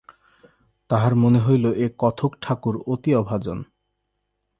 তাহার মনে হইল এ কথকঠাকুর অতি অভাজন।